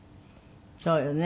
そうよね。